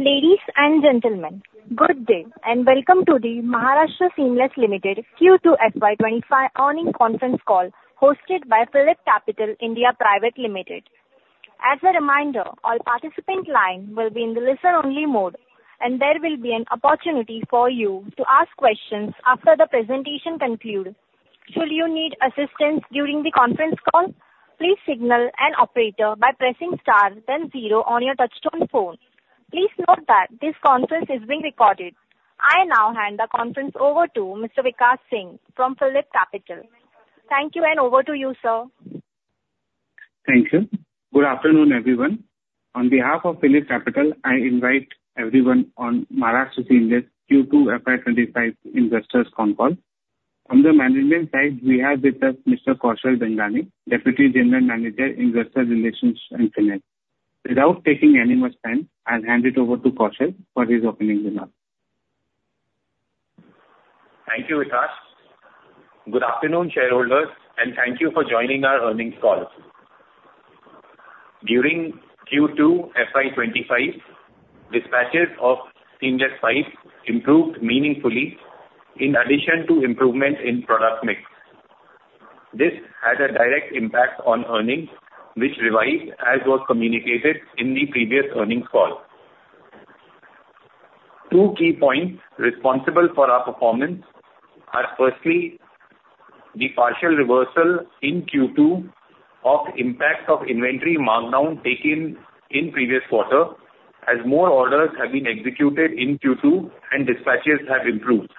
Ladies and gentlemen, good day, and welcome to the Maharashtra Seamless Limited Q2 FY twenty-five earnings conference call, hosted by PhillipCapital India Private Limited. As a reminder, all participant lines will be in the listen-only mode, and there will be an opportunity for you to ask questions after the presentation concludes. Should you need assistance during the conference call, please signal an operator by pressing star then zero on your touchtone phone. Please note that this conference is being recorded. I now hand the conference over to Mr. Vikash Singh from PhillipCapital. Thank you, and over to you, sir. Thank you. Good afternoon, everyone. On behalf of PhillipCapital, I invite everyone on Maharashtra Seamless Q2 FY twenty-five investors conference call. From the management side, we have with us Mr. Kaushal Bengani, Deputy General Manager, Investor Relations and Finance. Without taking any more time, I'll hand it over to Kaushal for his opening remarks. Thank you, Vikash. Good afternoon, shareholders, and thank you for joining our earnings call. During Q2 FY 2025, dispatches of seamless pipes improved meaningfully in addition to improvement in product mix. This had a direct impact on earnings, which revised as was communicated in the previous earnings call. Two key points responsible for our performance are, firstly, the partial reversal in Q2 of impact of inventory markdown taken in previous quarter, as more orders have been executed in Q2 and dispatches have improved.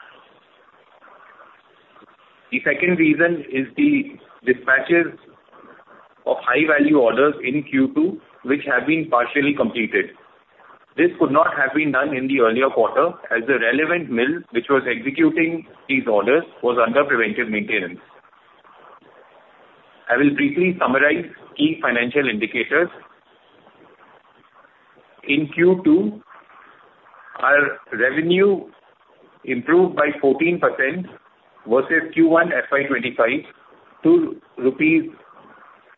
The second reason is the dispatches of high value orders in Q2, which have been partially completed. This could not have been done in the earlier quarter, as the relevant mill which was executing these orders was under preventive maintenance. I will briefly summarize key financial indicators. In Q2, our revenue improved by 14% versus Q1 FY 2025 to rupees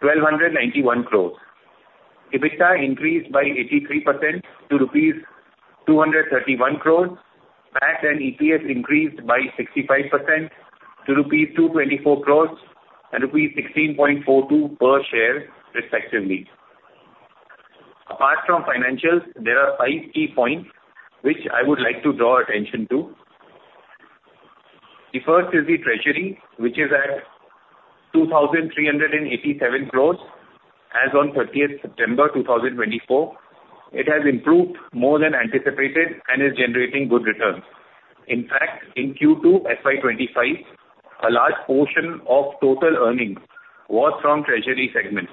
1,291 crores. EBITDA increased by 83% to rupees 231 crore. PAT and EPS increased by 65% to rupees 224 crore and rupees 16.42 per share, respectively. Apart from financials, there are five key points which I would like to draw attention to. The first is the treasury, which is at 2,387 crore as on thirtieth September 2024. It has improved more than anticipated and is generating good returns. In fact, in Q2 FY twenty-five, a large portion of total earnings was from treasury segment.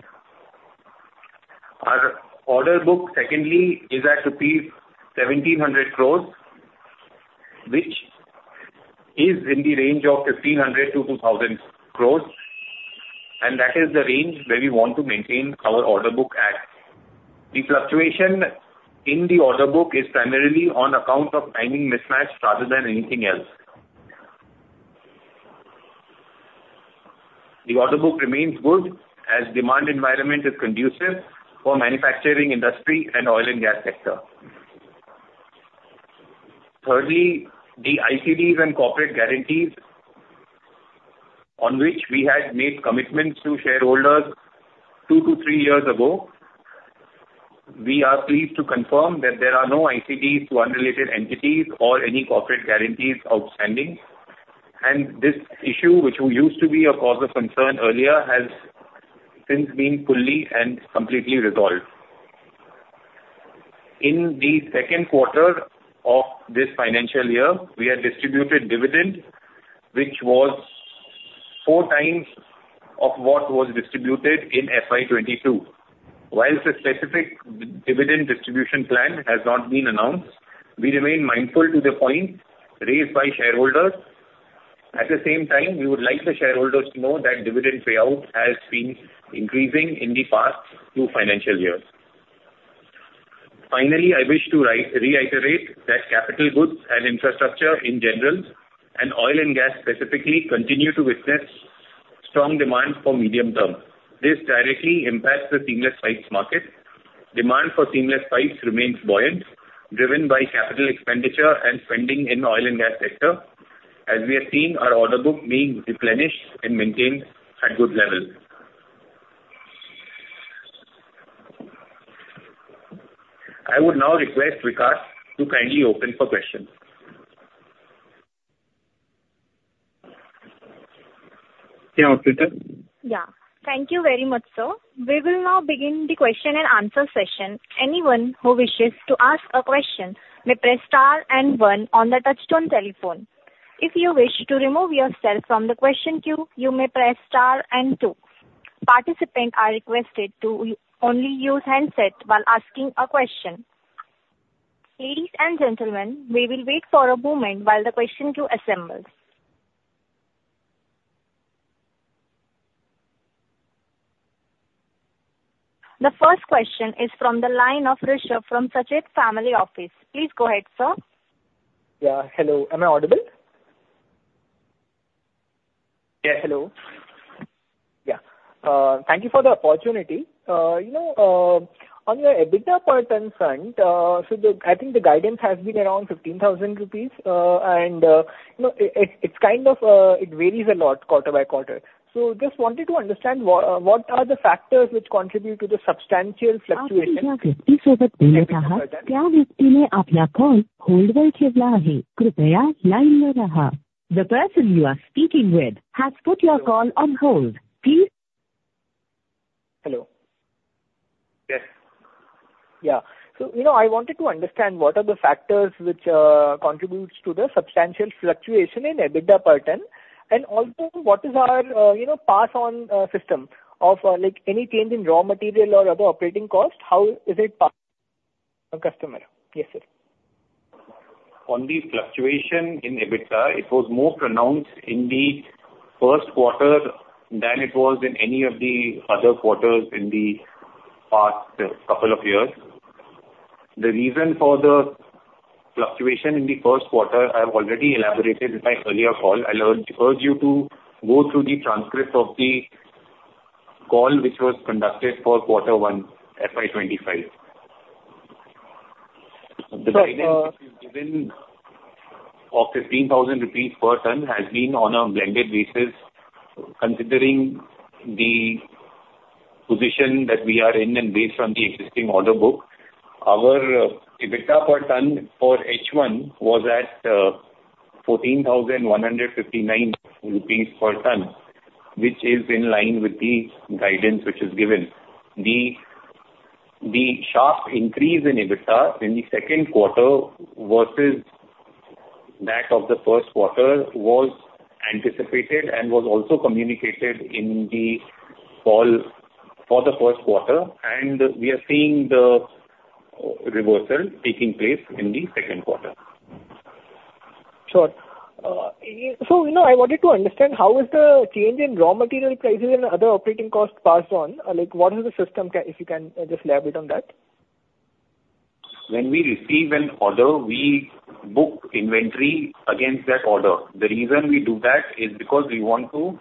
Our order book, secondly, is at rupees 1,700 crore, which is in the range of 1,500-2,000 crore, and that is the range where we want to maintain our order book at. The fluctuation in the order book is primarily on account of timing mismatch rather than anything else. The order book remains good as demand environment is conducive for manufacturing, industry and oil and gas sector. Thirdly, the ICDs and corporate guarantees on which we had made commitments to shareholders two to three years ago, we are pleased to confirm that there are no ICDs to unrelated entities or any corporate guarantees outstanding, and this issue, which used to be a cause of concern earlier, has since been fully and completely resolved. In the Q2 of this financial year, we have distributed dividend, which was four times of what was distributed in FY 2022. While a specific dividend distribution plan has not been announced, we remain mindful to the point raised by shareholders. At the same time, we would like the shareholders to know that dividend payout has been increasing in the past two financial years. Finally, I wish to reiterate that capital goods and infrastructure in general, and oil and gas specifically, continue to witness strong demand for medium term. This directly impacts the seamless pipes market. Demand for seamless pipes remains buoyant, driven by capital expenditure and spending in oil and gas sector, as we have seen our order book being replenished and maintained at good levels. I would now request Vikash to kindly open for questions. Yeah, operator? Yeah. Thank you very much, sir. We will now begin the question and answer session. Anyone who wishes to ask a question may press star and one on their touch-tone telephone. If you wish to remove yourself from the question queue, you may press star and two. Participants are requested to only use handset while asking a question. Ladies and gentlemen, we will wait for a moment while the question queue assembles. The first question is from the line of Rishabh from Sacheti Family Office. Please go ahead, sir. Yeah. Hello, am I audible? Yeah, hello? Yeah Thank you for the opportunity. You know, on your EBITDA per ton front, so the, I think the guidance has been around 15,000 rupees. And, you know, it's kind of, it varies a lot quarter by quarter. So just wanted to understand what are the factors which contribute to the substantial fluctuation? The person you are speaking with has put your call on hold. Please- Hello. Yes. Yeah. So, you know, I wanted to understand what are the factors which contributes to the substantial fluctuation in EBITDA per ton? And also, what is our, you know, pass on system of, like any change in raw material or other operating costs, how is it passed on customer? Yes, sir. On the fluctuation in EBITDA, it was more pronounced in the Q1 than it was in any of the other quarters in the past couple of years. The reason for the fluctuation in the Q1, I have already elaborated in my earlier call. I'll urge you to go through the transcript of the call, which was conducted for quarter one, FY 2025. So, uh- The guidance is given of 15,000 rupees per ton, has been on a blended basis, considering the position that we are in and based on the existing order book. Our EBITDA per ton for H one was at fourteen thousand one hundred fifty-nine rupees per ton, which is in line with the guidance which is given. The sharp increase in EBITDA in the Q2 versus that of the Q1 was anticipated and was also communicated in the call for the Q1, and we are seeing the reversal taking place in the Q2. Sure. So, you know, I wanted to understand, how is the change in raw material prices and other operating costs passed on? Like, what is the system? If you can just elaborate on that. When we receive an order, we book inventory against that order. The reason we do that is because we want to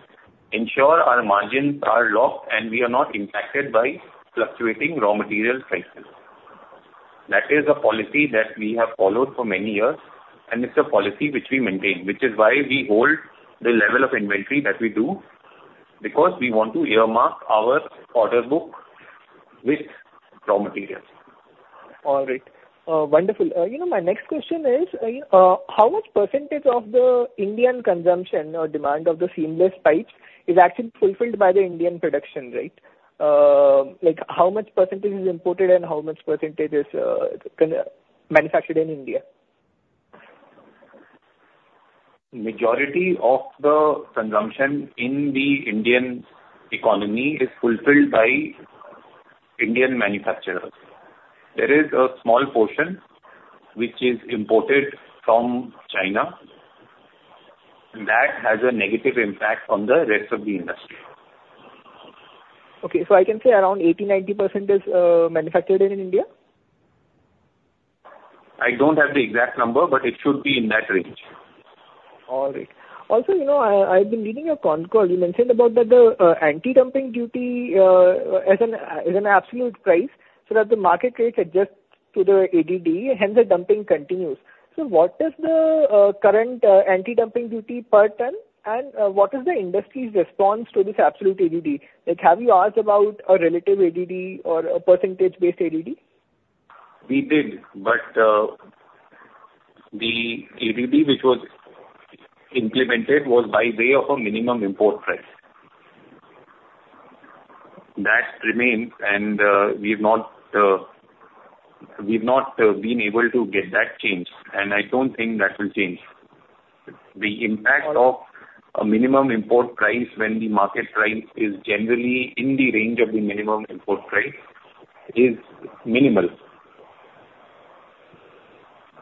ensure our margins are locked, and we are not impacted by fluctuating raw material prices. That is a policy that we have followed for many years, and it's a policy which we maintain, which is why we hold the level of inventory that we do, because we want to earmark our order book with raw materials. All right. Wonderful. You know, my next question is, how much percentage of the Indian consumption or demand of the seamless pipes is actually fulfilled by the Indian production, right? Like, how much percentage is imported and how much percentage is manufactured in India? Majority of the consumption in the Indian economy is fulfilled by Indian manufacturers. There is a small portion which is imported from China. That has a negative impact on the rest of the industry. Okay, so I can say around 80%-90% is manufactured in India? I don't have the exact number, but it should be in that range. All right. Also, you know, I, I've been reading your concall. You mentioned about that the anti-dumping duty as an absolute price, so that the market rate adjusts to the ADD, hence the dumping continues. So what is the current anti-dumping duty per ton, and what is the industry's response to this absolute ADD? Like, have you asked about a relative ADD or a percentage-based ADD? We did, but, the ADD which was implemented was by way of a minimum import price. That remains, and, we've not been able to get that changed, and I don't think that will change. Okay. The impact of a minimum import price when the market price is generally in the range of the minimum import price is minimal.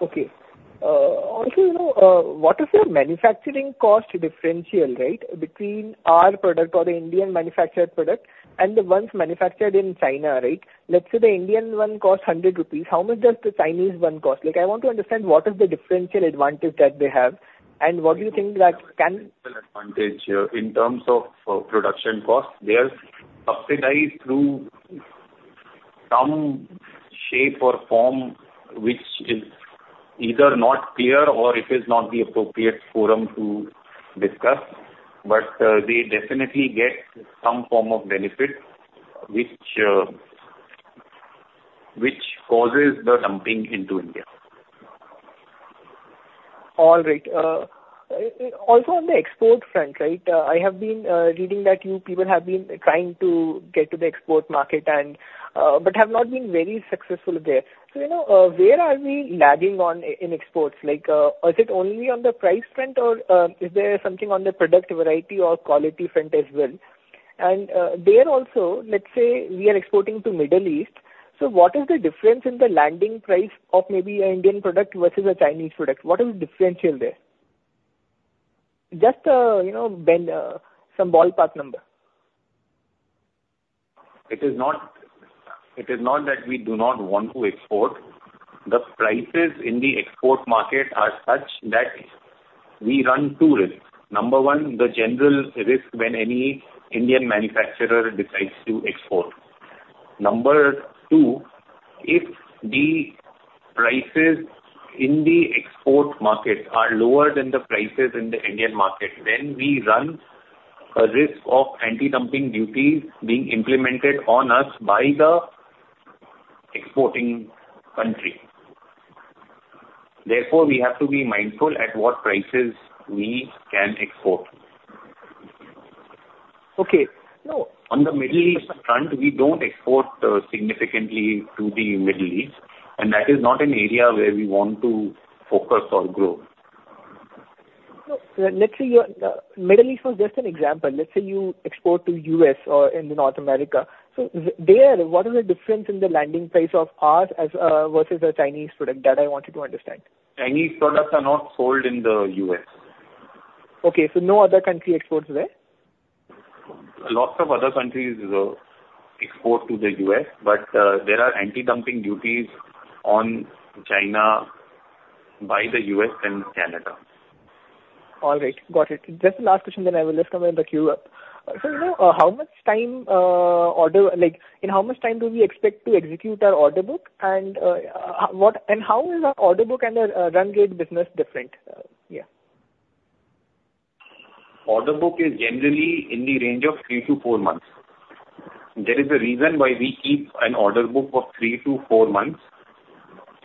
Okay. Also, you know, what is the manufacturing cost differential, right, between our product or the Indian manufactured product and the ones manufactured in China, right? Let's say the Indian one costs hundred rupees. How much does the Chinese one cost? Like, I want to understand, what is the differential advantage that they have, and what do you think that can- Advantage here, in terms of, production cost, they are subsidized through some shape or form which is either not clear or it is not the appropriate forum to discuss. But, they definitely get some form of benefit, which causes the dumping into India. All right. Also on the export front, right? I have been reading that you people have been trying to get to the export market and, but have not been very successful there, so you know, where are we lagging in exports? Like, is it only on the price front or is there something on the product variety or quality front as well, and there also, let's say we are exporting to Middle East, so what is the difference in the landing price of maybe an Indian product versus a Chinese product? What is the differential there? Just, you know, some ballpark number. It is not, it is not that we do not want to export. The prices in the export market are such that we run two risks: number one, the general risk when any Indian manufacturer decides to export. Number two, if the prices in the export market are lower than the prices in the Indian market, then we run a risk of anti-dumping duties being implemented on us by the exporting country. Therefore, we have to be mindful at what prices we can export. Okay. So- On the Middle East front, we don't export significantly to the Middle East, and that is not an area where we want to focus on growth. So let's say your Middle East was just an example. Let's say you export to U.S. or in the North America. So there, what is the difference in the landing price of ours as versus a Chinese product? That I wanted to understand. Chinese products are not sold in the U.S. Okay, so no other country exports there? Lots of other countries export to the U.S., but there are anti-dumping duties on China by the U.S. and Canada. All right. Got it. Just last question, then I will just come in the queue up. So you know, how much time, order like. In how much time do we expect to execute our order book and, what, and how is our order book and our, run rate business different? Yeah. Order book is generally in the range of three-to-four months. There is a reason why we keep an order book of three-to-four months.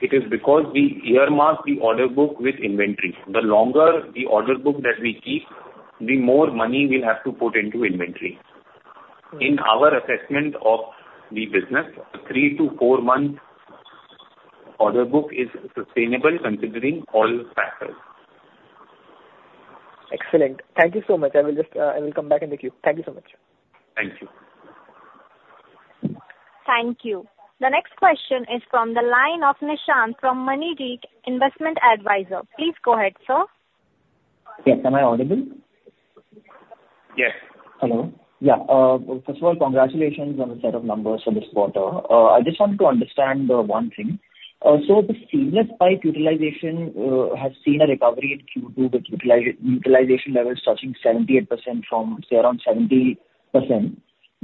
It is because we earmark the order book with inventory. The longer the order book that we keep, the more money we'll have to put into inventory. Okay. In our assessment of the business, a three- to four-month order book is sustainable considering all factors. Excellent. Thank you so much. I will just, I will come back in the queue. Thank you so much. Thank you. Thank you. The next question is from the line of Nishant from ManiReek Investment Adviser. Please go ahead, sir. Yes. Am I audible? Yes. Hello. Yeah, first of all, congratulations on the set of numbers for this quarter. I just want to understand one thing. So the seamless pipe utilization has seen a recovery in Q2 with utilization levels touching 78% from, say, around 70%,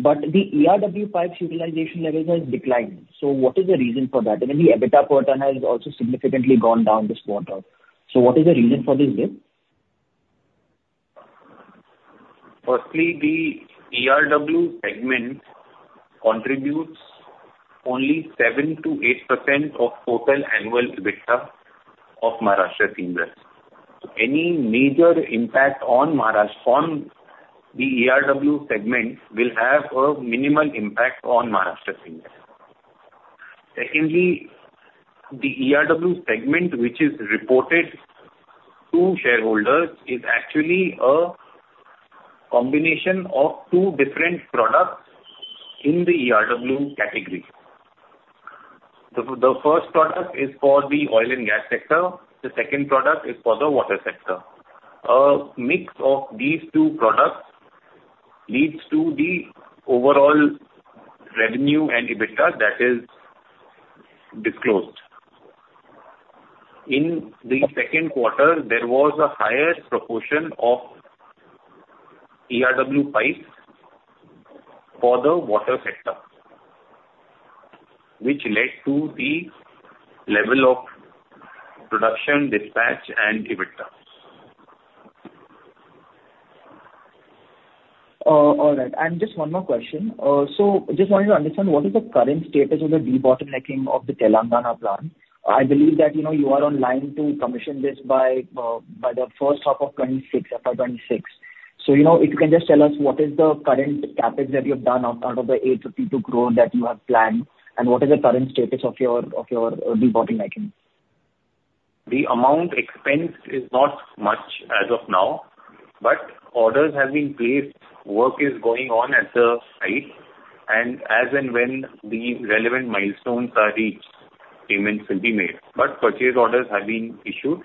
but the ERW pipes utilization levels has declined. So what is the reason for that? And then the EBITDA quarter has also significantly gone down this quarter. So what is the reason for this dip? Firstly, the ERW segment contributes only 7%-8% of total annual EBITDA of Maharashtra Seamless. So any major impact on Maharashtra, on the ERW segment, will have a minimal impact on Maharashtra Seamless. Secondly, the ERW segment, which is reported to shareholders, is actually a combination of two different products in the ERW category. The first product is for the oil and gas sector, the second product is for the water sector. A mix of these two products leads to the overall revenue and EBITDA that is disclosed. In the Q2, there was a higher proportion of ERW pipes for the water sector, which led to the level of production, dispatch, and EBITDA. All right, and just one more question. So just wanted to understand, what is the current status of the debottlenecking of the Telangana plant? I believe that, you know, you are online to commission this by the H1 of 2026, FY 2026. So, you know, if you can just tell us what is the current CapEx that you've done out of the 852 crore that you have planned, and what is the current status of your debottlenecking? The amount expensed is not much as of now, but orders have been placed. Work is going on at the site, and as and when the relevant milestones are reached, payments will be made. But purchase orders have been issued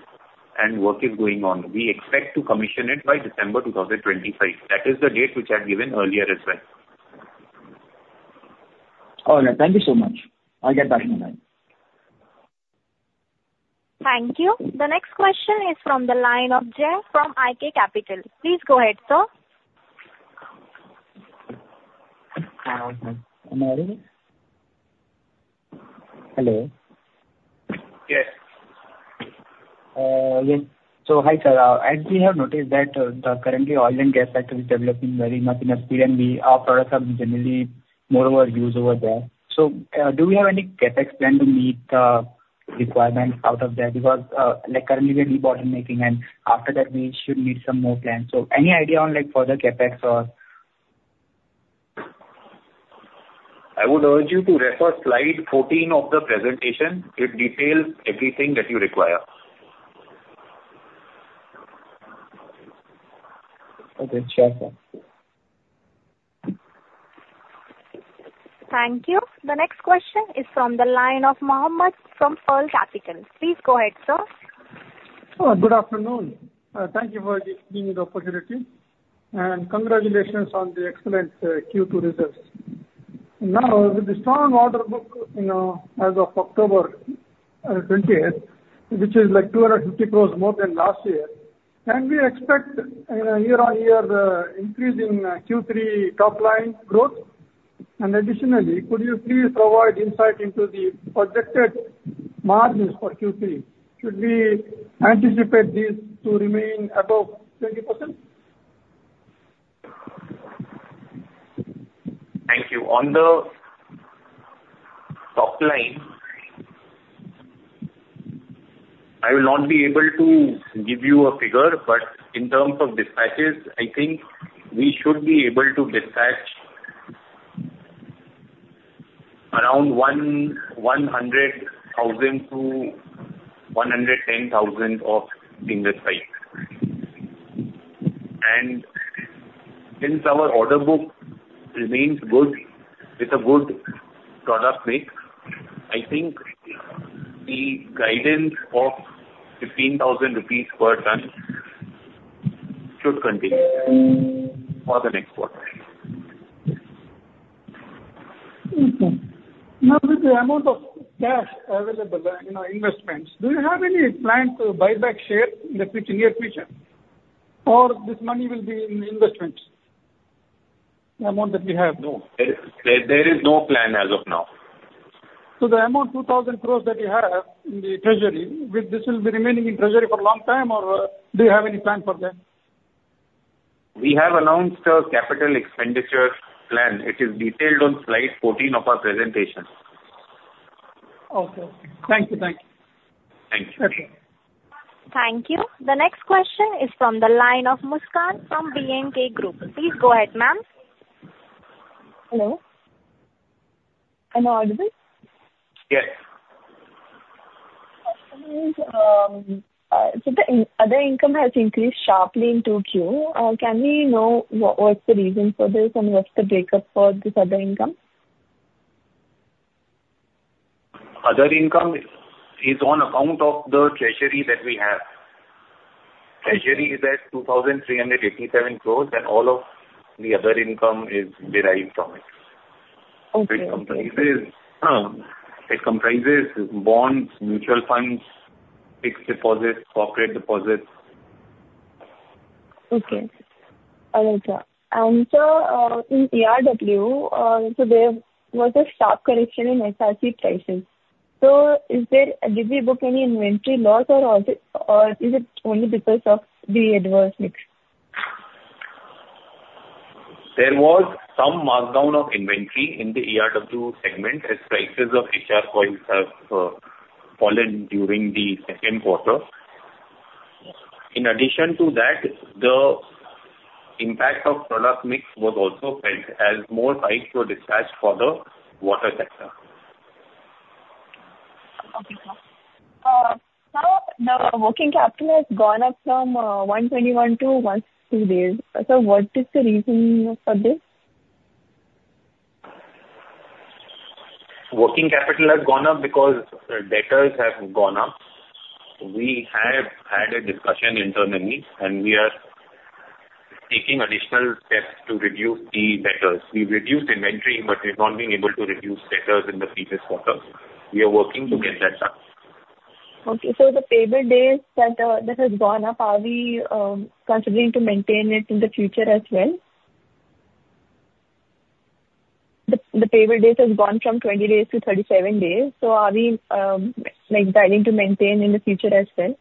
and work is going on. We expect to commission it by December two thousand twenty-five. That is the date which I have given earlier as well. All right. Thank you so much. I'll get back in line. Thank you. The next question is from the line of Jay from IK Capital. Please go ahead, sir. Hi, am I audible? Hello. Yes. Yes. So hi, sir. As we have noticed that, the current oil and gas sector is developing very much in Australia, and our products are generally more over used over there. So, do we have any CapEx plan to meet requirements out of that? Because, like, currently we are debottlenecking, and after that we should need some more plans. So any idea on, like, further CapEx or...? I would urge you to refer slide 14 of the presentation. It details everything that you require. Okay. Sure, sir. Thank you. The next question is from the line of Mohammed from Pearl Capital. Please go ahead, sir. Oh, good afternoon. Thank you for giving me the opportunity, and congratulations on the excellent Q2 results. Now, with the strong order book, you know, as of October twentieth, which is like 250 crores more than last year, can we expect a year-on-year increase in Q3 top line growth? And additionally, could you please provide insight into the projected margins for Q3? Should we anticipate these to remain above 20%? Thank you. On the top line, I will not be able to give you a figure, but in terms of dispatches, I think we should be able to dispatch around 100,000 to 110,000 tons of ERW pipes. Since our order book remains good, with a good product mix, I think the guidance of 15,000 rupees per ton should continue for the next quarter. Okay. Now, with the amount of cash available and, you know, investments, do you have any plan to buy back share in the near future, or this money will be in investments, the amount that we have? No, there is no plan as of now. The amount, two thousand crores, that you have in the treasury, will this be remaining in treasury for a long time, or do you have any plan for that? We have announced a capital expenditure plan. It is detailed on slide 14 of our presentation. Okay. Thank you. Thank you. Thank you. Okay. Thank you. The next question is from the line of Muskan from B&K Group. Please go ahead, ma'am. Hello? Am I audible? Yes. So the other income has increased sharply in 2Q. Can we know what's the reason for this, and what's the breakup for this other income? Other income is on account of the treasury that we have. Treasury is at 2,387 crores, and all of the other income is derived from it. Okay. It comprises bonds, mutual funds, fixed deposits, corporate deposits. Okay. All right, sir, and sir, in ERW, so there was a sharp correction in HRC prices. So, is there...? Did we book any inventory loss or also, or is it only because of the adverse mix? There was some markdown of inventory in the ERW segment, as prices of HR coils have fallen during the Q2. In addition to that, the impact of product mix was also felt, as more pipes were dispatched for the water sector. Okay, sir. Sir, the working capital has gone up from 121 to 120 days. Sir, what is the reason for this? Working capital has gone up because the debtors have gone up. We have had a discussion internally, and we are taking additional steps to reduce the debtors. We've reduced inventory, but we've not been able to reduce debtors in the previous quarters. We are working to get that done. Okay, so the payment days that has gone up, are we considering to maintain it in the future as well? The payment days has gone from 20 days to 37 days, so are we like planning to maintain in the future as well?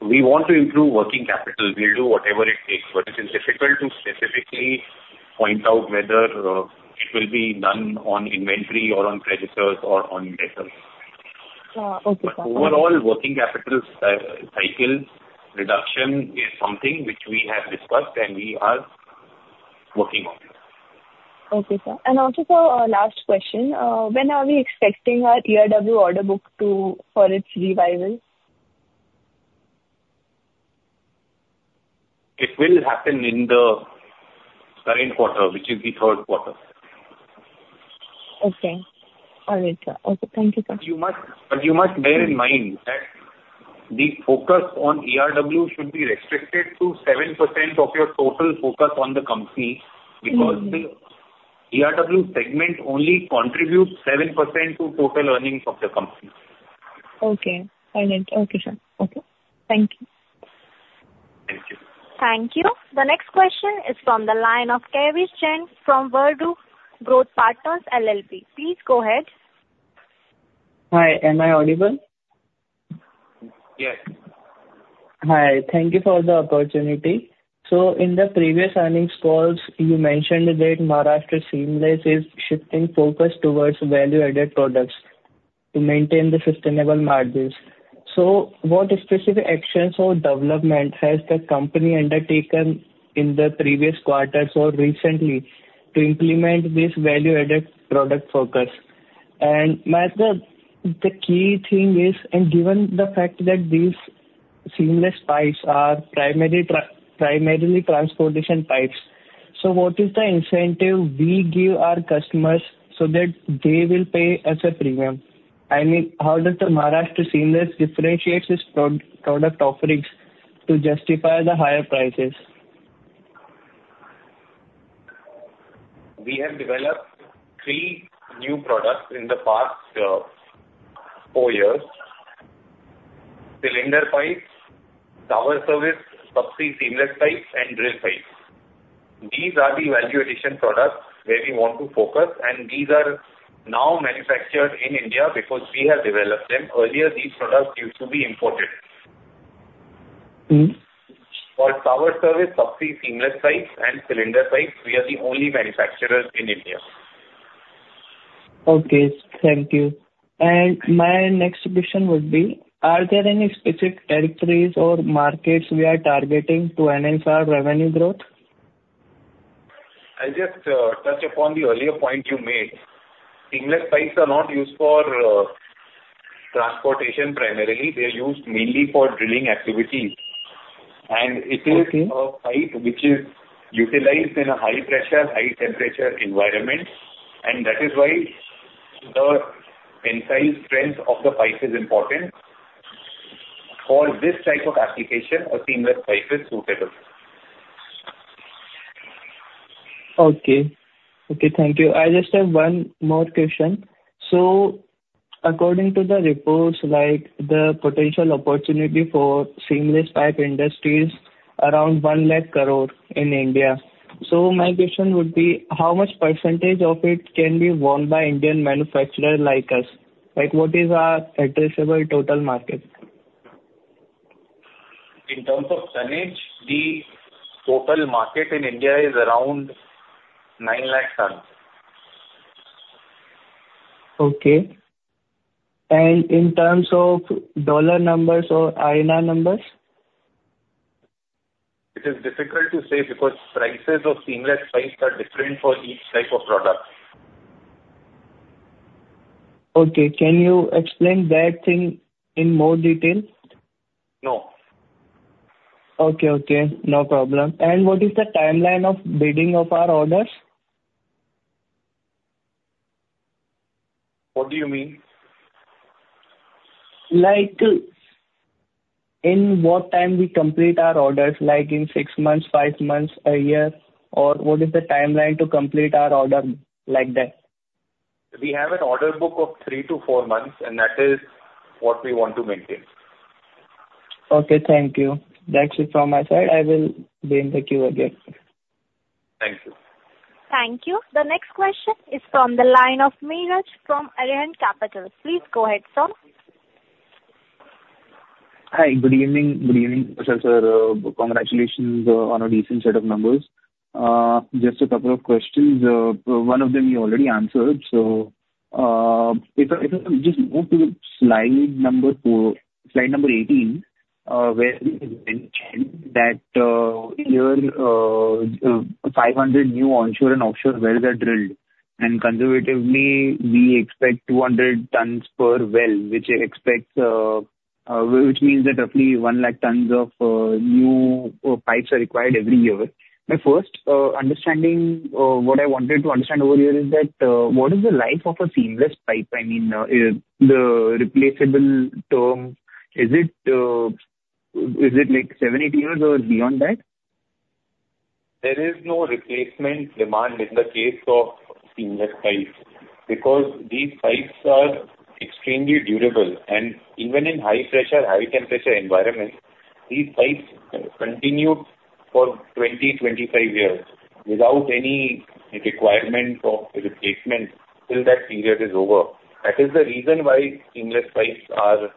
We want to improve working capital. We'll do whatever it takes, but it is difficult to specifically point out whether it will be done on inventory or on creditors or on debtors. Okay, sir. But overall, working capital cycle reduction is something which we have discussed, and we are working on it. Okay, sir, and also, sir, last question: When are we expecting our ERW order book to... for its revival? It will happen in the current quarter, which is the Q3. Okay. All right, sir. Okay, thank you, sir. You must, but you must bear in mind that the focus on ERW should be restricted to 7% of your total focus on the company. Mm-hmm. - because the ERW segment only contributes 7% to total earnings of the company. Okay. All right. Okay, sir. Okay. Thank you. Thank you. Thank you. The next question is from the line of Kavish Chand from Vidu Growth Partners, LLP. Please go ahead. Hi, am I audible? Yes. Hi. Thank you for the opportunity. So in the previous earnings calls, you mentioned that Maharashtra Seamless is shifting focus toward value-added products to maintain the sustainable margins. So what specific actions or development has the company undertaken in the previous quarters or recently to implement this value-added product focus? And the key thing is, given the fact that these seamless pipes are primarily transportation pipes. So what is the incentive we give our customers so that they will pay a premium? I mean, how does the Maharashtra Seamless differentiates its product offerings to justify the higher prices? We have developed three new products in the past, four years: cylinder pipes, sour service, subsea seamless pipes, and drill pipes. These are the value addition products where we want to focus, and these are now manufactured in India because we have developed them. Earlier, these products used to be imported. Mm. For sour service, subsea seamless pipes, and cylinder pipes, we are the only manufacturer in India. Okay, thank you. And my next question would be, are there any specific territories or markets we are targeting to enhance our revenue growth? I'll just touch upon the earlier point you made. Seamless pipes are not used for transportation primarily. They are used mainly for drilling activities. Okay. It is a pipe which is utilized in a high pressure, high temperature environment, and that is why the tensile strength of the pipe is important. For this type of application, a seamless pipe is suitable. Okay. Okay, thank you. I just have one more question. So according to the reports, like, the potential opportunity for seamless pipe industry is around one lakh crore in India. So my question would be: How much percentage of it can be won by Indian manufacturer like us? Like, what is our addressable total market? In terms of tonnage, the total market in India is around nine lakh tons. Okay. And in terms of dollar numbers or INR numbers? It is difficult to say because prices of seamless pipes are different for each type of product. Okay, can you explain that thing in more detail? No. Okay, okay, no problem. And what is the timeline of bidding of our orders? What do you mean? Like, in what time we complete our orders, like in six months, five months, a year, or what is the timeline to complete our order, like that? We have an order book of three to four months, and that is what we want to maintain. Okay, thank you. That's it from my side. I will be in the queue again. Thank you. Thank you. The next question is from the line of Neeraj from Arihant Capital. Please go ahead, sir. Hi, good evening. Good evening, sir. Sir, congratulations on a decent set of numbers. Just a couple of questions. One of them you already answered. So, if I just move to slide number four... slide number eighteen, where you mentioned that here, 500 new onshore and offshore wells are drilled, and conservatively, we expect 200 tons per well, which means that roughly one lakh tons of new pipes are required every year. My first understanding, what I wanted to understand over here is that, what is the life of a seamless pipe? I mean, the replaceable term, is it like seven, eight years or beyond that? There is no replacement demand in the case of seamless pipes, because these pipes are extremely durable. And even in high pressure, high temperature environment, these pipes continue for 20-25 years without any requirement of replacement till that period is over. That is the reason why seamless pipes are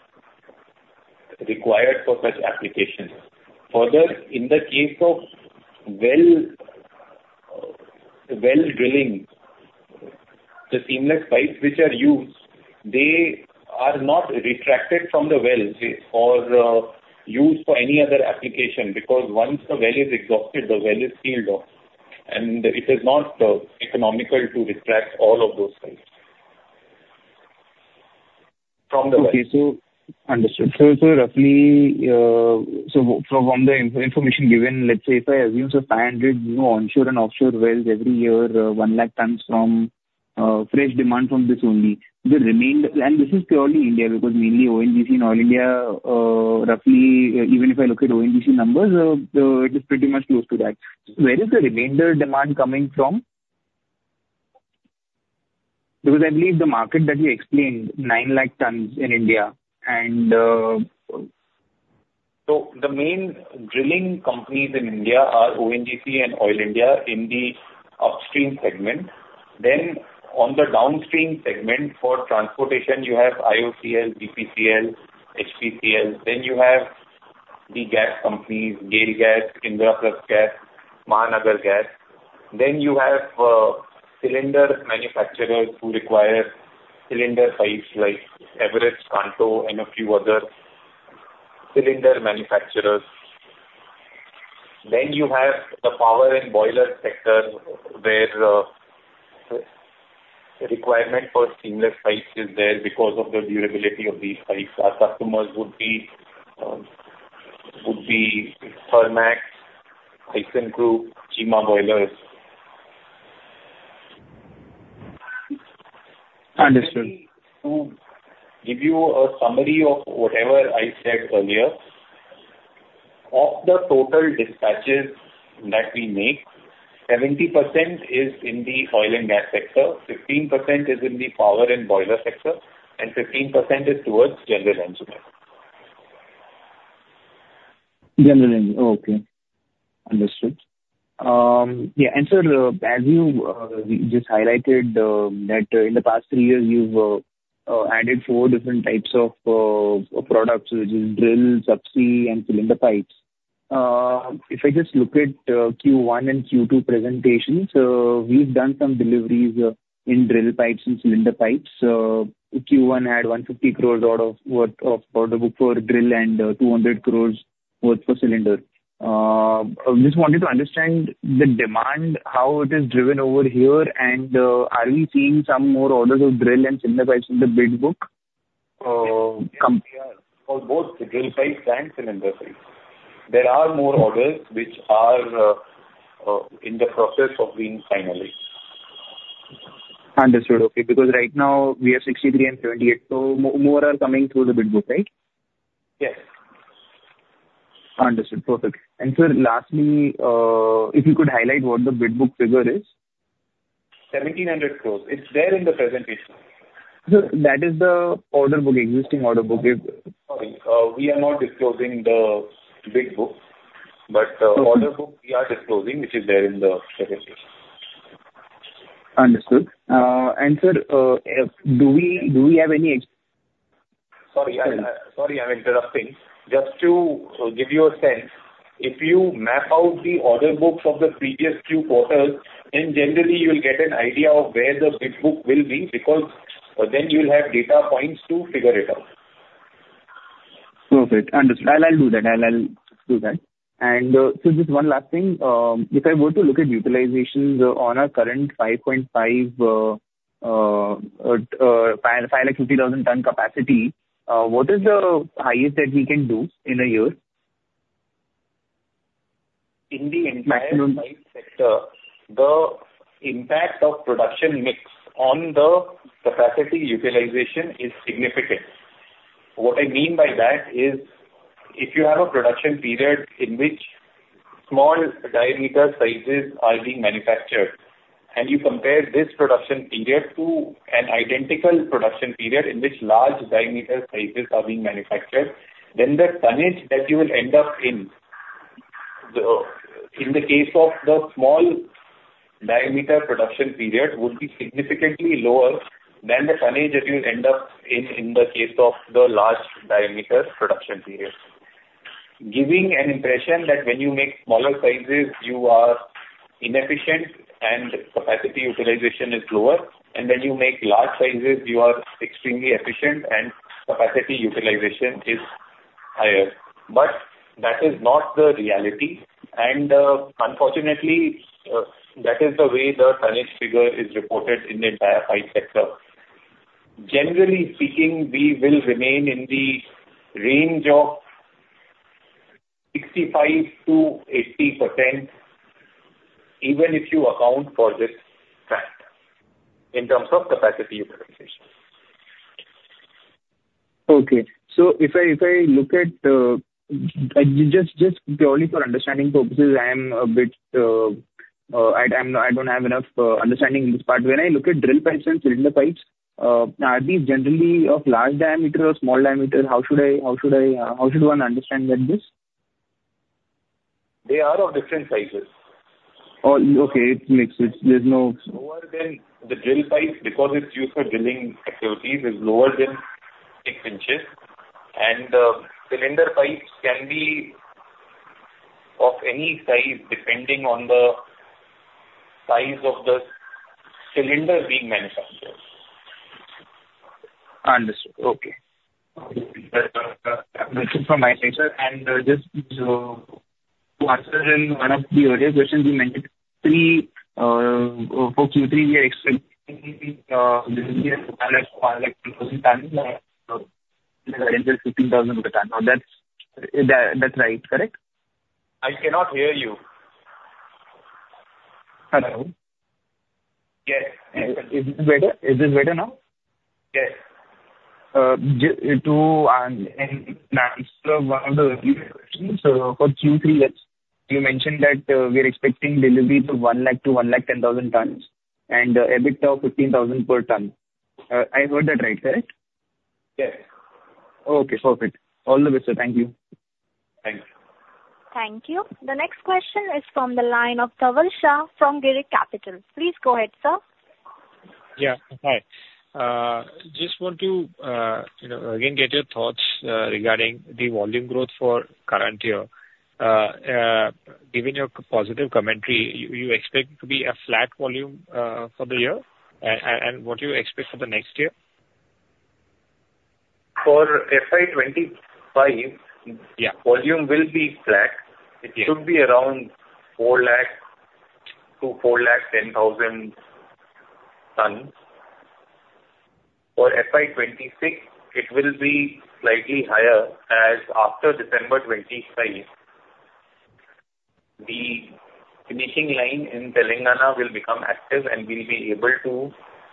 required for such applications. Further, in the case of well, well drilling, the seamless pipes which are used, they are not retracted from the wells or used for any other application, because once the well is exhausted, the well is sealed off, and it is not economical to retract all of those pipes. Okay, so understood. So, roughly, from the information given, let's say if I assume five hundred new onshore and offshore wells every year, one lakh tons from fresh demand from this only, the remainder, and this is purely India, because mainly ONGC and Oil India, roughly, even if I look at ONGC numbers, it is pretty much close to that. Where is the remainder demand coming from? Because I believe the market that you explained, nine lakh tons in India, and- So the main drilling companies in India are ONGC and Oil India in the upstream segment. Then on the downstream segment for transportation, you have IOCL, BPCL, HPCL, then you have the gas companies, GAIL Gas, Indraprastha Gas, Mahanagar Gas. Then you have cylinder manufacturers who require cylinder pipes like Everest Kanto and a few other cylinder manufacturers. Then you have the power and boiler sector, where the requirement for seamless pipes is there because of the durability of these pipes. Our customers would be Thermax, Thyssen Group, Cheema Boilers. Understood. To give you a summary of whatever I said earlier, of the total dispatches that we make, 70% is in the oil and gas sector, 15% is in the power and boiler sector, and 15% is towards general engineering. General engineering, okay. Understood. Yeah, and sir, as you just highlighted, that in the past three years, you've added four different types of products, which is drill, subsea, and cylinder pipes. If I just look at Q1 and Q2 presentations, we've done some deliveries in drill pipes and cylinder pipes. Q1 had 150 crore worth of order book for drill and 200 crore worth for cylinder. I just wanted to understand the demand, how it is driven over here, and are we seeing some more orders of drill and cylinder pipes in the bid book? Yes, we are. For both drill pipes and cylinder pipes. There are more orders which are in the process of being finalized. Understood. Okay. Because right now, we are sixty-three and thirty-eight, so more are coming through the bid book, right? Yes. Understood. Perfect. And sir, lastly, if you could highlight what the bid book figure is. 1,700 crore. It's there in the presentation. Sir, that is the order book, existing order book is- Sorry, we are not disclosing the bid book, but. Okay. Order book we are disclosing, which is there in the presentation. Understood, and sir, do we have any- Sorry, I, sorry I'm interrupting. Just to give you a sense, if you map out the order books of the previous two quarters, then generally you'll get an idea of where the bid book will be, because then you'll have data points to figure it out. Perfect. Understood. I'll do that. I'll do that. And so just one last thing. If I were to look at utilizations on our current five lakh fifty thousand ton capacity, what is the highest that we can do in a year? In the entire pipe sector maximum. The impact of production mix on the capacity utilization is significant. What I mean by that is, if you have a production period in which small diameter sizes are being manufactured, and you compare this production period to an identical production period in which large diameter sizes are being manufactured, then the tonnage that you will end up in in the case of the small diameter production period, will be significantly lower than the tonnage that you'll end up in, in the case of the large diameter production period. Giving an impression that when you make smaller sizes, you are inefficient and capacity utilization is lower, and when you make large sizes, you are extremely efficient and capacity utilization is higher. But that is not the reality. And, unfortunately, that is the way the tonnage figure is reported in the entire pipe sector. Generally speaking, we will remain in the range of 65%-80%, even if you account for this fact, in terms of capacity utilization. Okay. So if I look at just purely for understanding purposes, I am a bit. I'm not, I don't have enough understanding in this part. When I look at drill pipes and cylinder pipes, are these generally of large diameter or small diameter? How should I, how should one understand like this? They are of different sizes. Oh, okay. It's mixed. There's no- Lower than the drill pipes, because it's used for drilling activities, is lower than six inches. And, cylinder pipes can be of any size, depending on the size of the cylinder being manufactured. Understood. Okay. That's it from my side, sir. And just to answer in one of the earlier questions you mentioned three, for Q3, we are expecting delivery of one lakh ten thousand tons, INR 15,000 per ton. Now, that's right, correct? I cannot hear you. Hello? Yes. Is this better? Is this better now? Yes. In answer to one of the earlier questions, for Q3, you mentioned that we are expecting deliveries of one lakh to one lakh ten thousand tons, and EBIT of fifteen thousand per ton. I heard that right, correct? Yes. Okay, perfect. All the best, sir. Thank you. Thank you. Thank you. The next question is from the line of Dhaval Shah from Girik Capital. Please go ahead, sir. Yeah. Hi. Just want to, you know, again, get your thoughts regarding the volume growth for current year. Given your positive commentary, you expect it to be a flat volume for the year? And what do you expect for the next year? For FY 2025- Yeah. Volume will be flat. Yeah. It should be around four lakh to four lakh ten thousand tons. For FY 2026, it will be slightly higher, as after December 2025, the finishing line in Telangana will become active, and we'll be able to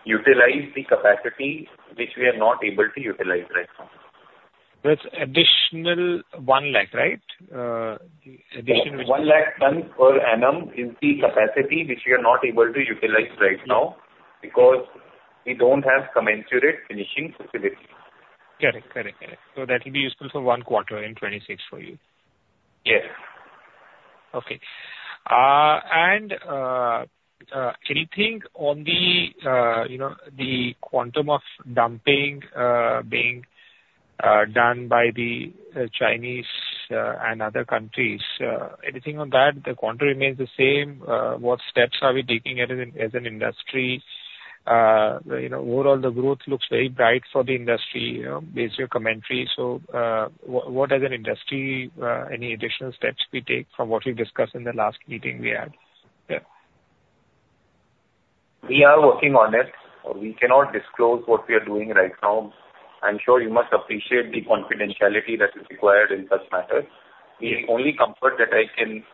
utilize the capacity which we are not able to utilize right now. That's additional one lakh, right? Addition- One lakh ton per annum is the capacity which we are not able to utilize right now, because we don't have commensurate finishing facility. Correct. Correct. Correct. So that will be useful for one quarter in 2026 for you. Yeah. Okay. And anything on the, you know, the quantum of dumping being done by the Chinese and other countries. Anything on that? The quantum remains the same. What steps are we taking as an industry? You know, overall, the growth looks very bright for the industry, you know, based on your commentary. So, what as an industry any additional steps we take from what we discussed in the last meeting we had? Yeah. We are working on it. We cannot disclose what we are doing right now. I'm sure you must appreciate the confidentiality that is required in such matters. The only comfort that I can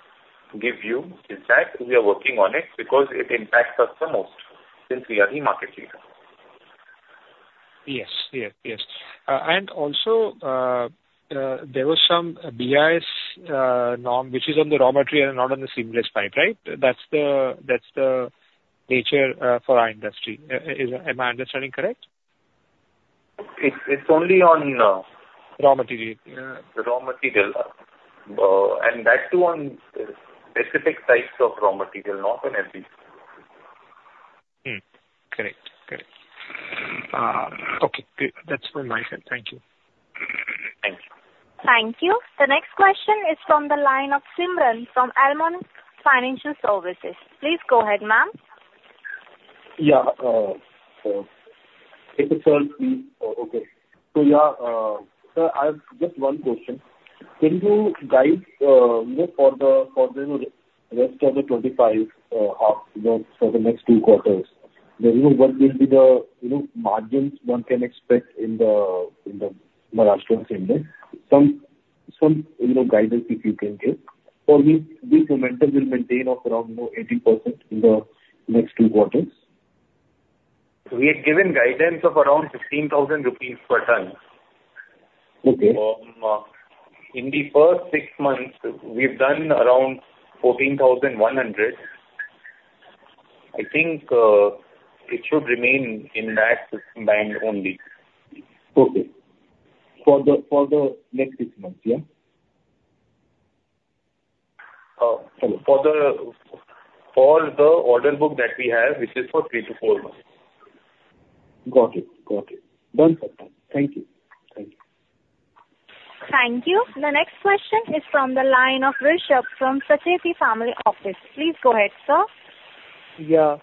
give you is that we are working on it, because it impacts us the most, since we are the market leader. Yes. Yes. Yes. And also, there was some BIS norm, which is on the raw material and not on the seamless pipe, right? That's the nature for our industry. Am I understanding correct? It's only on. Raw material. Raw material, and that too, on specific types of raw material, not on everything. Correct. Correct. Okay, great. That's all my side. Thank you. Thank you. Thank you. The next question is from the line of Simran from Almondz Financial Services. Please go ahead, ma'am. Yeah, if it's all free. Okay. Yeah, so I have just one question. Can you guide, you know, for the rest of the twenty-five, half the, for the next two quarters, you know, what will be the margins one can expect in the Maharashtra segment? Some, you know, guidance if you can give. For me, this momentum will maintain around, you know, 80% in the next two quarters. We had given guidance of around 16,000 rupees per ton. Okay. In the first six months, we've done around fourteen thousand one hundred. I think it should remain in that system band only. Okay. For the next six months, yeah? For the order book that we have, which is for three-to-four months. Got it. Got it. Done for time. Thank you. Thank you. Thank you. The next question is from the line of Rishabh from Sacheti Family Office. Please go ahead, sir. Yeah,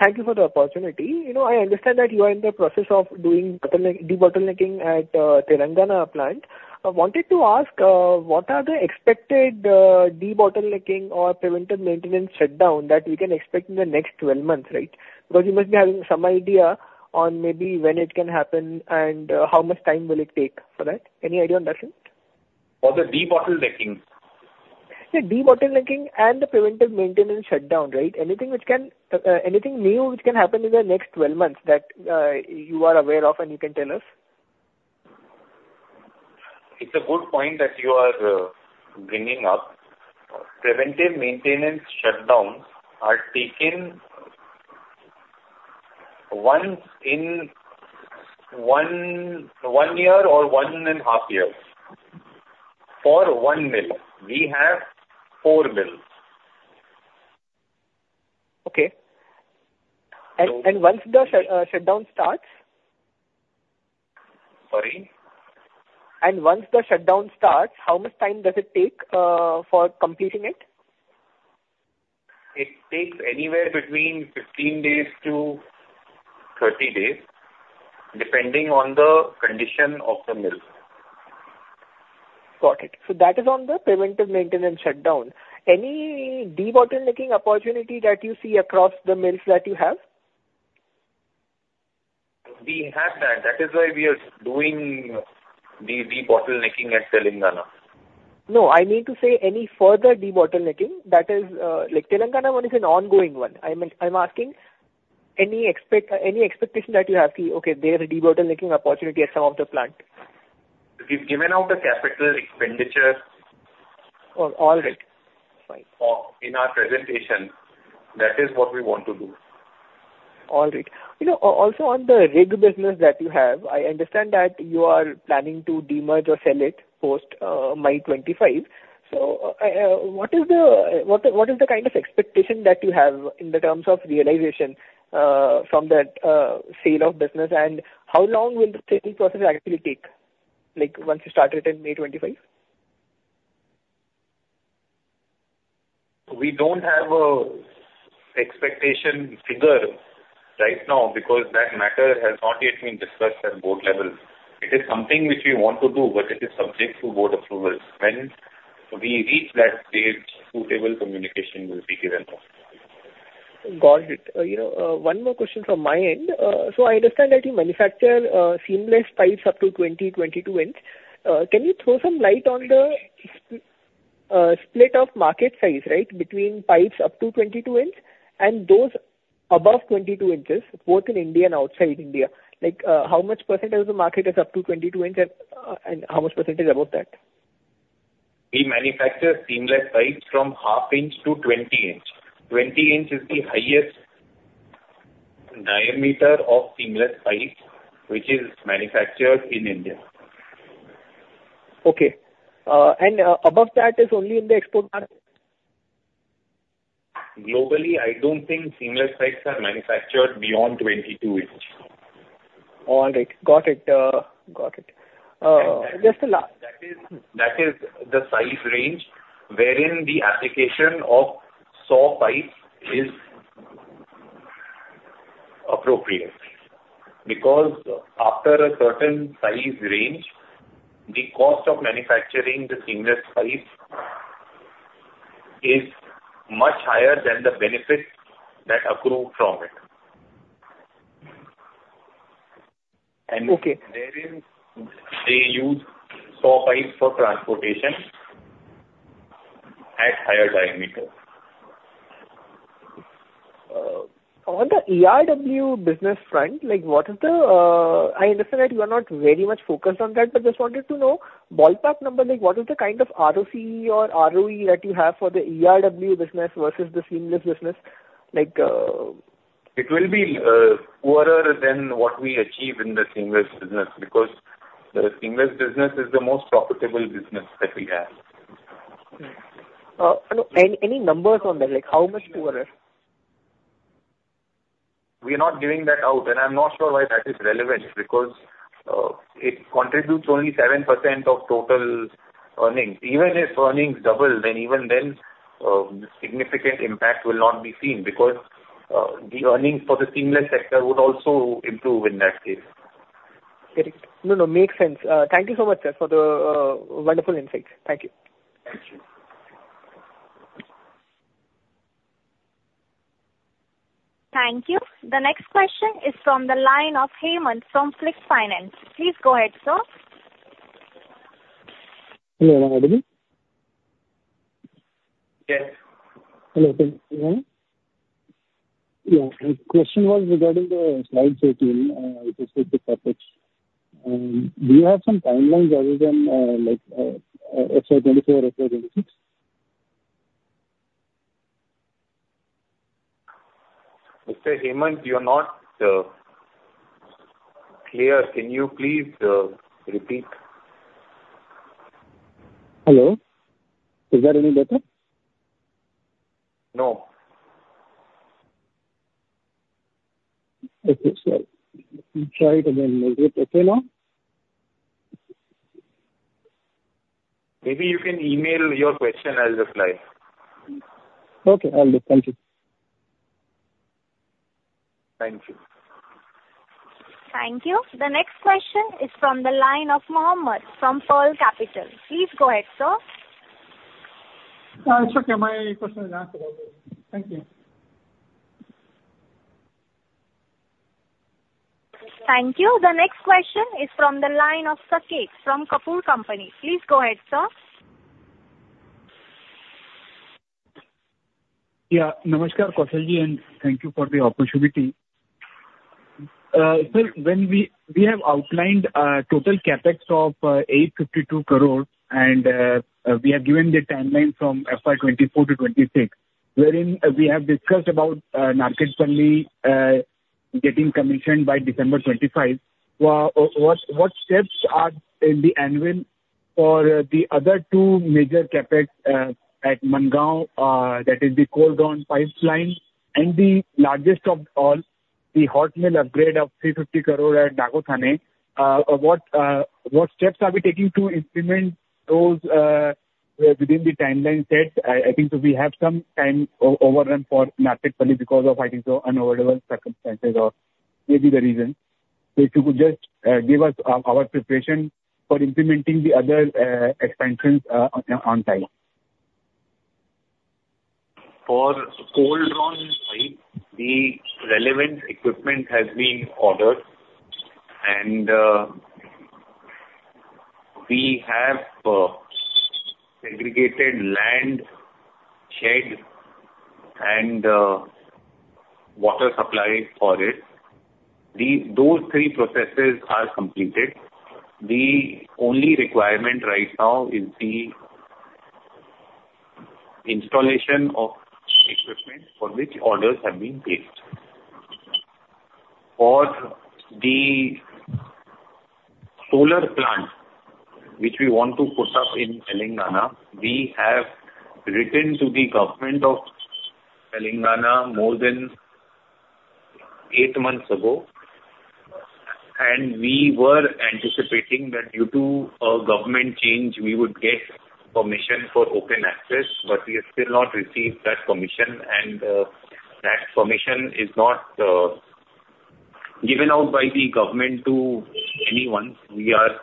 thank you for the opportunity. You know, I understand that you are in the process of doing debottlenecking at Telangana plant. I wanted to ask what are the expected debottlenecking or preventive maintenance shutdown that we can expect in the next twelve months, right? Because you must be having some idea on maybe when it can happen and how much time will it take for that. Any idea on that end? For the debottlenecking? Yeah, debottlenecking and the preventive maintenance shutdown, right? Anything which can... anything new which can happen in the next twelve months that you are aware of and you can tell us? It's a good point that you are bringing up. Preventive maintenance shutdowns are taken once in one year or one and a half years, for one mill. We have four mills. Okay. So- Once the shutdown starts? Sorry. And once the shutdown starts, for completing it? It takes anywhere between 15-30 days, depending on the condition of the mill. Got it. So that is on the preventive maintenance shutdown. Any debottlenecking opportunity that you see across the mills that you have? We have that. That is why we are doing the debottlenecking at Telangana. No, I mean to say any further debottlenecking that is, Telangana one is an ongoing one. I'm asking any expectation that you have, okay, there is a debottlenecking opportunity at some of the plant. We've given out the capital expenditure. All right. Fine. In our presentation, that is what we want to do. All right. You know, also on the rig business that you have, I understand that you are planning to demerge or sell it post May 2025. So, what is the kind of expectation that you have in the terms of realization from that sale of business? And how long will the selling process actually take, like, once you start it in May 2025?... We don't have an expectation figure right now because that matter has not yet been discussed at board level. It is something which we want to do, but it is subject to board approval. When we reach that stage, suitable communication will be given out. Got it. You know, one more question from my end. So I understand that you manufacture seamless pipes up to 22-inch. Can you throw some light on the split of market size, right, between pipes up to 22-inch and those above 22 inches, both in India and outside India? Like, how much percentage of the market is up to 22-inch and how much percentage above that? We manufacture seamless pipes from half-inch to 20-inch. 20-inch is the highest diameter of seamless pipes which is manufactured in India. Okay. And above that is only in the export market? Globally, I don't think seamless pipes are manufactured beyond 22 inches. All right. Got it, got it. Just a last- That is, that is the size range wherein the application of SAW pipes is appropriate, because after a certain size range, the cost of manufacturing the seamless pipes is much higher than the benefits that accrue from it. Okay. Therein, they use SAW pipes for transportation at higher diameter. On the ERW business front, like, what is the, I understand that you are not very much focused on that, but just wanted to know ballpark number. Like, It will be, poorer than what we achieve in the seamless business, because the seamless business is the most profitable business that we have. No, any numbers on that? Like, how much poorer? We are not giving that out, and I'm not sure why that is relevant, because it contributes only 7% of total earnings. Even if earnings double, then even then, significant impact will not be seen because the earnings for the seamless sector would also improve in that case. Correct. No, no, makes sense. Thank you so much, sir, for the wonderful insights. Thank you. Thank you. Thank you. The next question is from the line of Hemant from Flick Finance. Please go ahead, sir. Hello, Kaushal? Yes. Hello. Thank you. Yeah, my question was regarding the slide 13, with respect to CapEx. Do you have some timelines other than, like, FY 2024, FY 2026? Mr. Hemant, you're not clear. Can you please repeat? Hello? Is that any better? No. Okay. Sorry. Let me try it again. Is it okay now? Maybe you can email your question, I'll reply. Okay, I'll do. Thank you. Thank you. Thank you. The next question is from the line of Mohammed from Pearl Capital. Please go ahead, sir. It's okay. My question is answered already. Thank you. Thank you. The next question is from the line of Saket from Kapoor & Company. Please go ahead, sir. Yeah, Namaskar, Kaushalji, and thank you for the opportunity. Sir, when we have outlined total CapEx of 852 crore, and we have given the timeline from FY 2024 to 2026, wherein we have discussed about Narketpally getting commissioned by December 2025. What steps are in the anvil for the other two major CapEx at Mangaon, that is the cold drawn pipe line, and the largest of all, the hot mill upgrade of 350 crore at Nagothane. What steps are we taking to implement those within the timeline set? I think we have some time overrun for Narketpally because of, I think, so unavoidable circumstances or maybe the reason. So if you could just give us our preparation for implementing the other expansions on time. For cold drawn pipe, the relevant equipment has been ordered, and we have segregated land, shed, and water supply for it. Those three processes are completed. The only requirement right now is the installation of equipment, for which orders have been placed. For the solar plant, which we want to put up in Telangana, we have written to the Government of Telangana more than eight months ago, and we were anticipating that due to a government change, we would get permission for open access, but we have still not received that permission, and that permission is not given out by the government to anyone. We are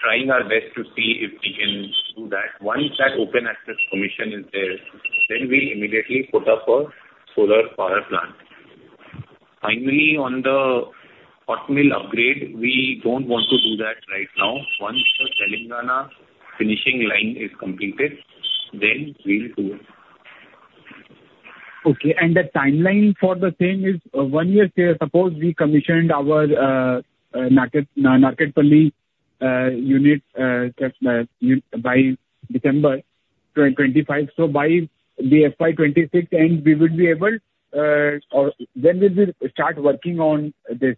trying our best to see if we can do that. Once that open access permission is there, then we immediately put up a solar power plant. Finally, on the hot mill upgrade, we don't want to do that right now. Once the Telangana finishing line is completed, then we'll do it. Okay. And the timeline for the same is one year say, suppose we commissioned our Nakkapalli unit by December twenty twenty-five. So by the FY twenty-six end, we would be able, or when will we start working on this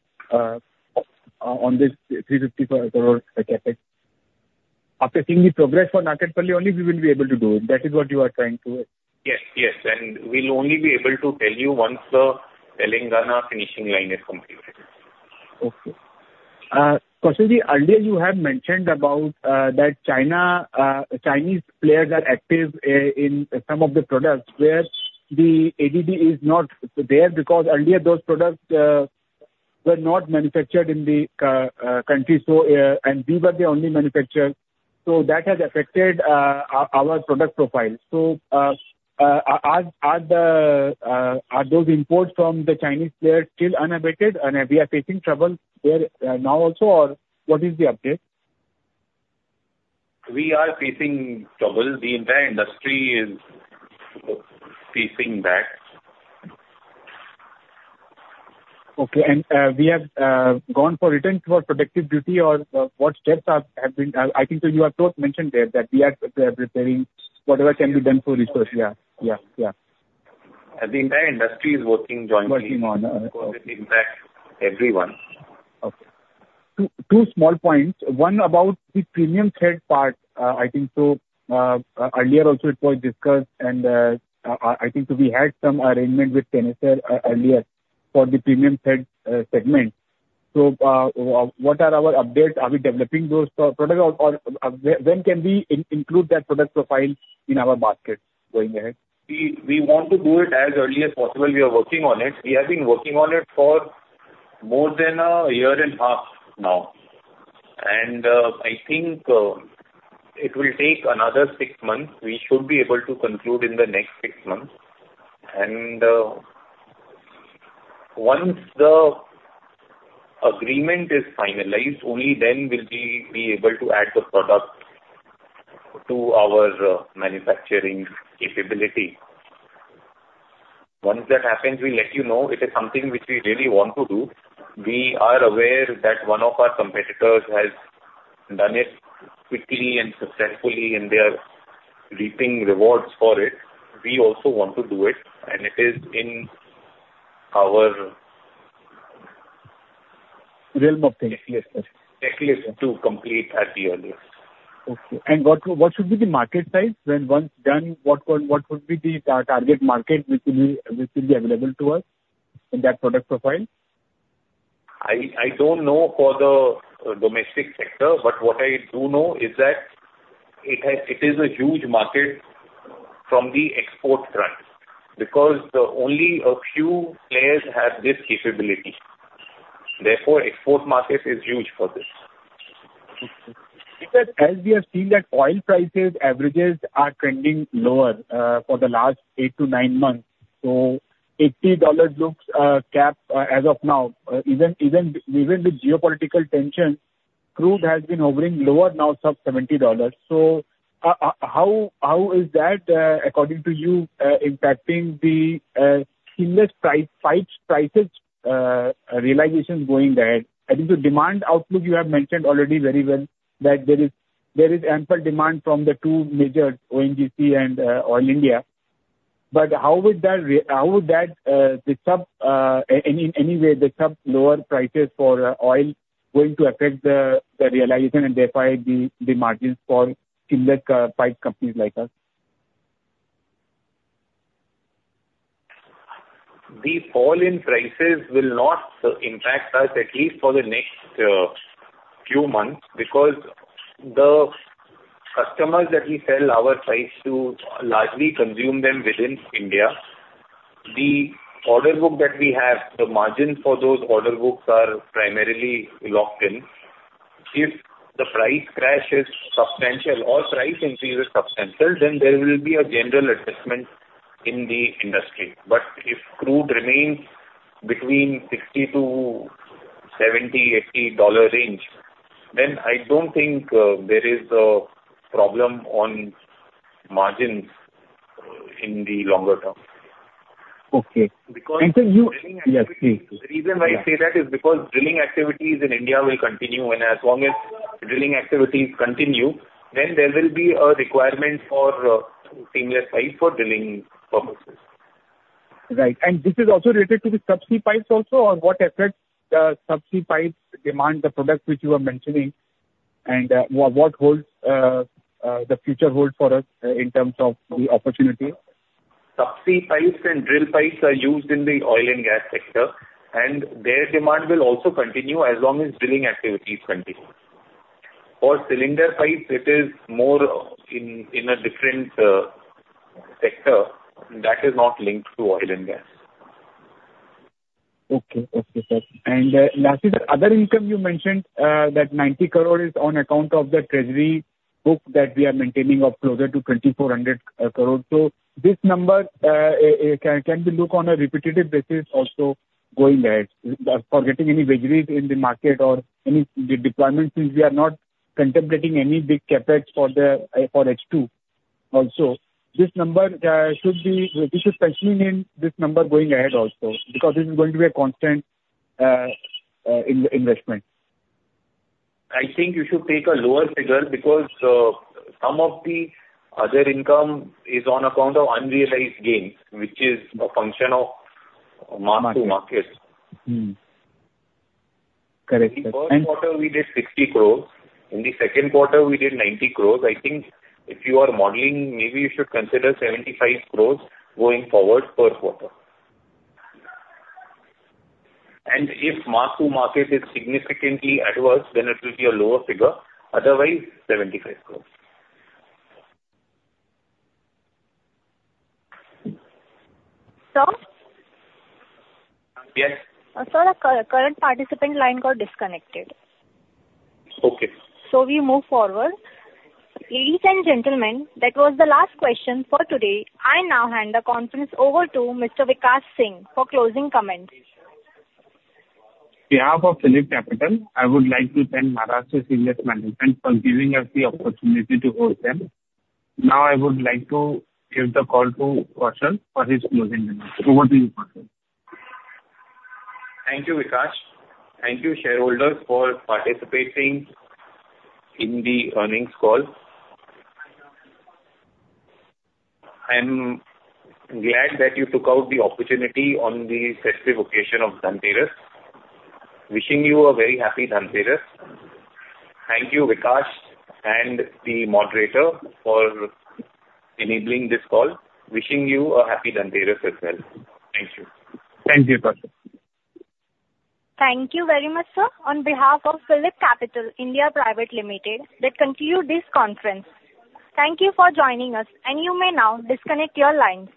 on this 350 crore CapEx? After seeing the progress for Nakkapalli only we will be able to do it. That is what you are trying to...? Yes, yes, and we'll only be able to tell you once the Telangana finishing line is completed. Okay. Kaushalji, earlier you had mentioned about that China, Chinese players are active in some of the products where the ADD is not there, because earlier those products were not manufactured in the country, so and we were the only manufacturer. So that has affected our product profile. So, are those imports from the Chinese players still unabated and we are facing trouble there now also, or what is the update? We are facing trouble. The entire industry is facing that. Okay. And, we have gone for return to our protective duty or what steps are have been. I think you have both mentioned there that we are preparing whatever can be done for resource. Yeah. Yeah, yeah. The entire industry is working jointly- Working on, okay. Because it impacts everyone. Okay. Two small points. One about the premium thread part. I think so, earlier also it was discussed, and, I think we had some arrangement with Tenaris earlier for the premium thread segment. So, what are our updates? Are we developing those products or, or when can we include that product profile in our market going ahead? We want to do it as early as possible. We are working on it. We have been working on it for more than a year and a half now, and I think it will take another six months. We should be able to conclude in the next six months, and once the agreement is finalized, only then will we be able to add the product to our manufacturing capability. Once that happens, we'll let you know. It is something which we really want to do. We are aware that one of our competitors has done it quickly and successfully, and they are reaping rewards for it. We also want to do it, and it is in our Realm of things. Nagothane. Nagothane to complete at the earliest. Okay. What should be the market size when once done? What would be the target market which will be available to us in that product profile? I don't know for the domestic sector, but what I do know is that it has, it is a huge market from the export front, because only a few players have this capability. Therefore, export market is huge for this. Because as we have seen that oil price averages are trending lower for the last eight to nine months, so $80 looks capped as of now. Even with geopolitical tension, crude has been hovering lower now, sub-$70. So how is that, according to you, impacting the seamless pipes prices realization going ahead? I think the demand outlook you have mentioned already very well, that there is ample demand from the two major, ONGC and Oil India. But how would that in any way the sub lower prices for oil going to affect the realization and thereby the margins for seamless pipe companies like us? The fall in prices will not impact us, at least for the next few months, because the customers that we sell our pipes to largely consume them within India. The order book that we have, the margin for those order books are primarily locked in. If the price crash is substantial or price increase is substantial, then there will be a general adjustment in the industry. But if crude remains between $60 to 70, 80 dollar range, then I don't think there is a problem on margins in the longer term. Okay. Because- Can you- Drilling activities. Yes, please. The reason why I say that is because drilling activities in India will continue, and as long as drilling activities continue, then there will be a requirement for seamless pipe for drilling purposes. Right. And this is also related to the subsea pipes also? Or what affects the subsea pipes demand, the products which you are mentioning? And what the future holds for us in terms of the opportunity? Subsea pipes and drill pipes are used in the oil and gas sector, and their demand will also continue as long as drilling activities continue. For cylinder pipes, it is more in a different sector that is not linked to oil and gas. Okay. Okay, sir. And lastly, the other income you mentioned, that 90 crore is on account of the treasury book that we are maintaining of closer to 2,400 crore. So this number, can we look on a repetitive basis also going ahead for getting any vagaries in the market or any deployments, since we are not contemplating any big CapEx for H2 also. This number should be. We should continue in this number going ahead also, because this is going to be a constant investment. I think you should take a lower figure because some of the other income is on account of unrealized gains, which is a function of mark-to-market. Mm-hmm. Correct, sir. In the Q1, we did 60 crore. In the Q2, we did 90 crore. I think if you are modeling, maybe you should consider 75 crore going forward per quarter. And if mark-to-market is significantly adverse, then it will be a lower figure. Otherwise, 75 crore. Sir? Yes. Sir, the current participant line got disconnected. Okay. So we move forward. Ladies and gentlemen, that was the last question for today. I now hand the conference over to Mr. Vikash Singh for closing comments. On behalf of PhillipCapital, I would like to thank Maharashtra Seamless senior management for giving us the opportunity to host them. Now, I would like to give the call to Kaushal for his closing remarks. Over to you, Kaushal. Thank you, Vikash. Thank you, shareholders, for participating in the earnings call. I'm glad that you took out the opportunity on the festive occasion of Dhanteras. Wishing you a very happy Dhanteras. Thank you, Vikash and the moderator, for enabling this call. Wishing you a happy Dhanteras as well. Thank you. Thank you, Kaushal. Thank you very much, sir. On behalf of PhillipCapital India Private Limited, this concludes this conference. Thank you for joining us, and you may now disconnect your lines.